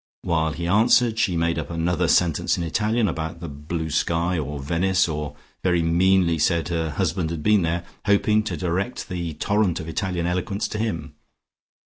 While he answered she made up another sentence in Italian about the blue sky or Venice, or very meanly said her husband had been there, hoping to direct the torrent of Italian eloquence to him.